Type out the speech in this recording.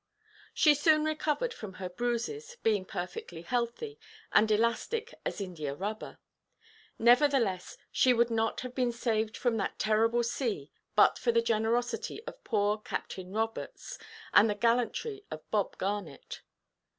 She soon recovered from her bruises, being perfectly healthy, and elastic as india–rubber. Nevertheless, she would not have been saved from that terrible sea but for the generosity of poor Captain Roberts, and the gallantry of Bob Garnet.